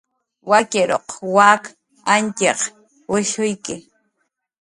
Wakiruq wak Añtxiq wishshuyki.